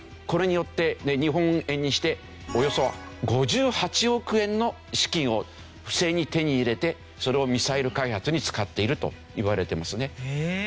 これによって日本円にしておよそ５８億円の資金を不正に手に入れてそれをミサイル開発に使っているといわれていますね。